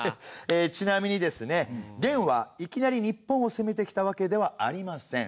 ちなみにですね元はいきなり日本を攻めてきたわけではありません。